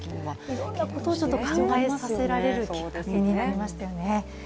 いろんなことを考えさせられるきっかけになりましたよね。